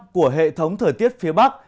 của hệ thống thời tiết phía bắc